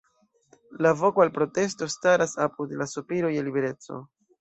La voko al protesto staras apud la sopiro je libereco.